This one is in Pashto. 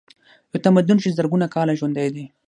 یو تمدن چې زرګونه کاله ژوندی دی.